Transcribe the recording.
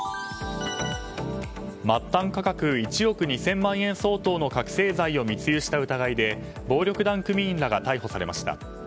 末端価格１億２０００万円相当の覚醒剤を密輸した疑いで暴力団組員らが逮捕されました。